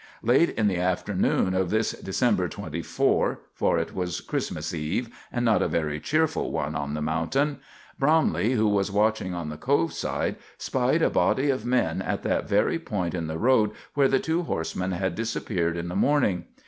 Late in the afternoon of this December 24 for it was Christmas eve, and not a very cheerful one on the mountain Bromley, who was watching on the Cove side, spied a body of men at that very point in the road where the two horsemen had disappeared in the morning.